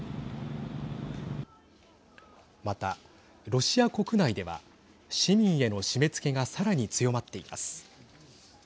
また、ロシア国内では市民への締めつけがさらに強まっています。